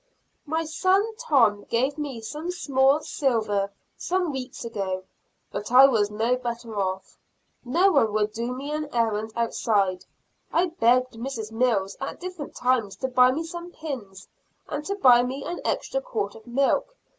My son, Tom, gave me some small silver some weeks ago, but I was no better off. No one would do me an errand outside. I begged Mrs. Mills at different times to buy me some pins, and to buy me an extra quart of milk.